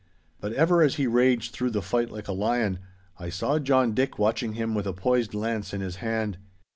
But ever as he raged through the fight like a lion, I saw John Dick watching him with a poised lance in his hand.